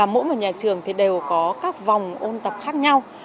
mỗi nhà trường đều có các vòng ôn tập khác nhau